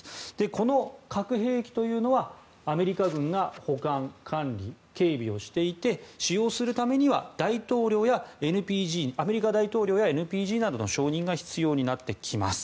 この核兵器というのはアメリカ軍が保管・管理・警備をしていて使用するためにはアメリカ大統領やＮＰＧなどの承認が必要になってきます。